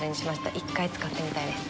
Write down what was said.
１回使ってみたいです。